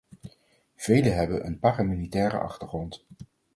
Vele hebben een paramilitaire achtergrond.